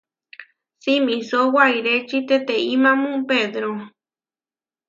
Simisó wairéči teteimámu pedro.